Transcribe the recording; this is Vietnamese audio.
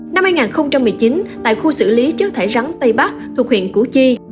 năm hai nghìn một mươi chín tại khu xử lý chất thải rắn tây bắc thuộc huyện củ chi